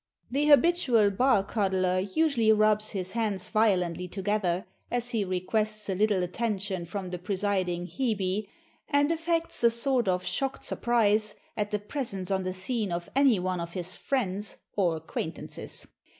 The habitual "bar cuddler" usually rubs his hands violently together, as he requests a little attention from the presiding Hebe; and affects a sort of shocked surprise at the presence on the scene of any one of his friends or acquaintances.